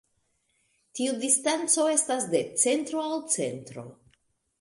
Tiu distanco estas de centro al centro.